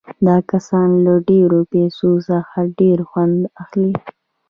دا کسان له ډېرو پیسو څخه ډېر خوند اخلي